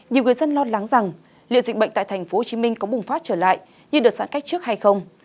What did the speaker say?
nhiều người dân lo lắng rằng liệu dịch bệnh tại tp hcm có bùng phát trở lại như đợt giãn cách trước hay không